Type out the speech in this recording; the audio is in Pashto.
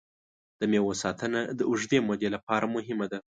د مېوو ساتنه د اوږدې مودې لپاره مهمه ده.